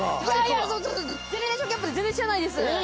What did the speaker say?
ジェネレーションギャップで全然知らないです。